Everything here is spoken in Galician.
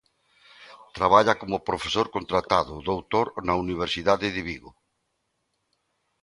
Traballa como profesor contratado doutor na Universidade de Vigo.